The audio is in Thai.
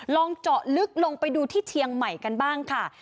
ลองเจาะลึกลงไปดูที่เชียงใหม่กันบ้างค่ะ